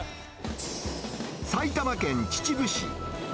埼玉県秩父市。